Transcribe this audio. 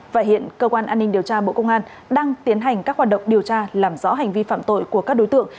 và hiện cơ quan an ninh điều tra bộ công an đang tiến hành các hoạt động điều tra làm rõ hành vi phạm tội của các đối tượng